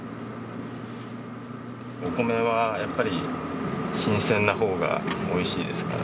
お米はやっぱり新鮮なほうがおいしいですから。